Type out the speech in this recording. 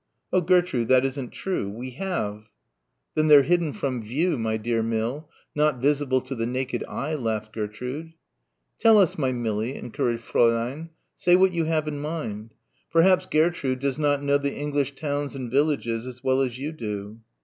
"Oh, Gertrude, that isn't true. We have." "Then they're hidden from view, my dear Mill, not visible to the naked eye," laughed Gertrude. "Tell us, my Millie," encouraged Fräulein, "say what you have in mind. Perhaps Gairtrud does not know the English towns and villages as well as you do."